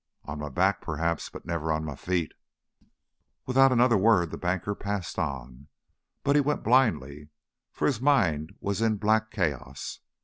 "On my back, perhaps, but never on my feet." Without another word the banker passed on, but he went blindly, for his mind was in black chaos.